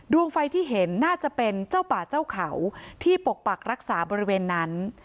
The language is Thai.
ดวงไฟที่เห็นน่าจะเป็นเจ้าป่าเจ้าเขาที่ปกปักรักษาบริเวณนั้น